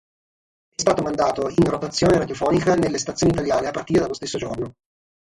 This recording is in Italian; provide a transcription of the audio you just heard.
È stato mandato in rotazione radiofonica nelle stazioni italiane a partire dallo stesso giorno.